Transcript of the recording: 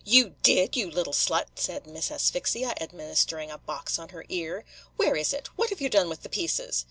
"You did, you little slut?" said Miss Asphyxia, administering a box on her ear. "Where is it? what have you done with the pieces?"